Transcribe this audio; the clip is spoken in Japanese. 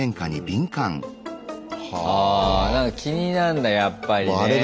ああなんか気になんだやっぱりね。